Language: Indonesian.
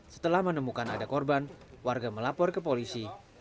setelah menemukan ada korban warga melapor ke polisi